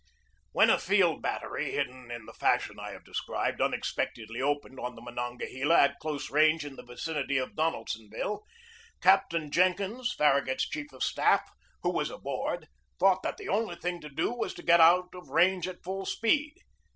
When, a field battery, hidden in the fashion I have described, unexpectedly opened on the Monon gahela at close range in the vicinity of Donelsonville, Captain Jenkins, Farragut's chief of staff, who was aboard, thought that the only thing to do was to get out of range at full speed.